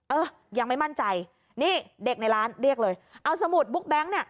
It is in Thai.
เออยังไม่มั่นใจนี่เด็กในร้านเรียกเลยเอาสมุดบุ๊กแก๊งเนี่ย